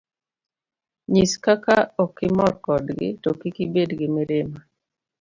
Nyis kaka okimor kodgi, to kik ibed gi mirima.